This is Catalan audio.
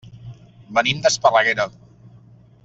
Venim d'Esparreguera.